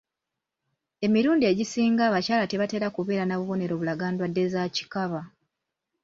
Emirundu egisinga abakyala tebatera kubeera na bubonero bulaga ndwadde za kikaba.